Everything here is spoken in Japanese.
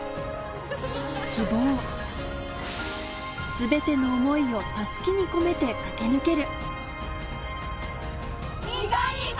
全ての思いを襷に込めて駆け抜ける